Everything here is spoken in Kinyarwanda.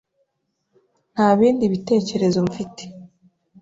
Nta bindi bitekerezo mfite.